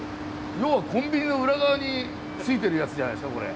要はコンビニの裏側についてるやつじゃないですかこれ。